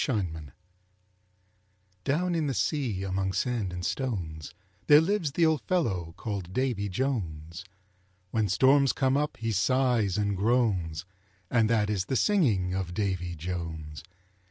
DAVY JONES Down in the sea among sand and stones, There lives the old fellow called Davy Jones. When storms come up he sighs and groans, And that is the singing of Davy Jones.